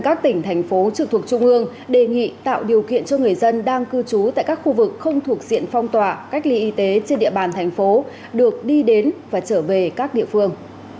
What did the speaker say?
các tỉnh thành phố trực thuộc trung ương đề nghị tạo điều kiện cho người dân đang cư trú tại các khu vực không thuộc diện phong tỏa cách ly y tế trên địa bàn thành phố được đi đến và trở về các địa phương